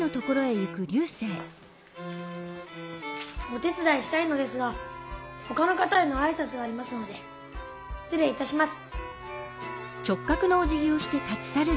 お手つだいしたいのですがほかの方へのあいさつがありますのでしつれいいたします。